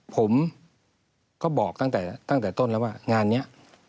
ผมก็บอกตั้งแต่ต้นแล้วว่างานนี้